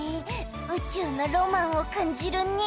宇宙のロマンを感じるね